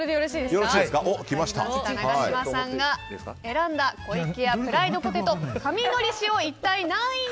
永島さんが選んだ湖池屋プライドポテト神のり塩